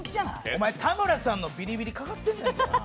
お前、田村さんのビリビリかかってんねん。